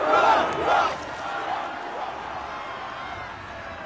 うわっ！